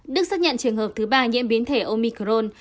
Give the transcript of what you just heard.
đức xác nhận trường hợp thứ ba nhiễm biến thể omicron